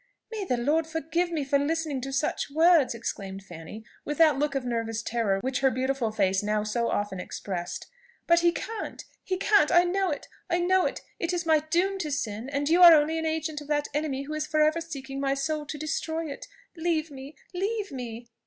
"May the Lord forgive me for listening to such words!" exclaimed Fanny, with that look of nervous terror which her beautiful face now so often expressed. "But he can't! he can't! I know it, I know it! It is my doom to sin, and you are only an agent of that enemy who is for ever seeking my soul to destroy it. Leave me! leave me!"